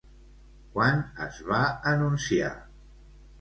Quan es va anunciar?